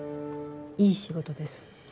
いい仕事です。